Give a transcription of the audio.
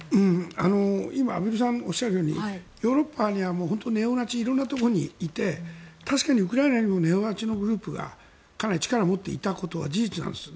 今、畔蒜さんがおっしゃるようにヨーロッパには本当にネオナチ色んなところにいて確かにウクライナにもネオナチのグループがかなり力を持っていたことは事実なんです。